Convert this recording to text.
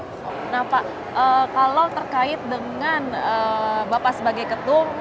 nah pak kalau terkait dengan bapak sebagai ketum